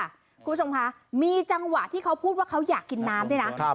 คุณผู้ชมคะมีจังหวะที่เขาพูดว่าเขาอยากกินน้ำด้วยนะ